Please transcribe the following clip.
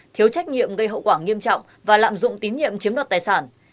thiếu trách nhiệm gây hậu quả nghiêm trọng và lạm dụng tín nhiệm chiếm đoạt tài sản